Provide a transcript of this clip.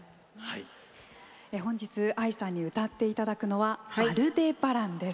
本日ＡＩさんに歌っていただくのは「アルデバラン」です。